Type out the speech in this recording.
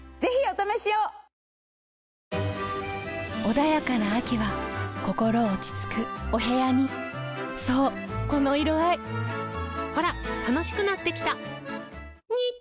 穏やかな秋は心落ち着くお部屋にそうこの色合いほら楽しくなってきた！